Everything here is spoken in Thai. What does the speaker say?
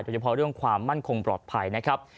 โดยเฉพาะเรื่องความมั่นคงปลอดภัยนะครับ